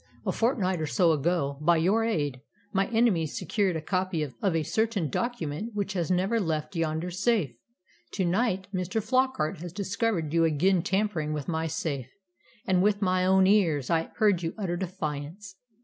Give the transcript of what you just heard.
A fortnight or so ago, by your aid, my enemies secured a copy of a certain document which has never left yonder safe. To night Mr. Flockart has discovered you again tampering with my safe, and with my own ears I heard you utter defiance.